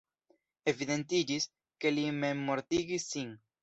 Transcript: Evidentiĝis, ke li memmortigis sin.